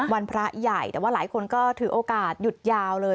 พระใหญ่แต่ว่าหลายคนก็ถือโอกาสหยุดยาวเลย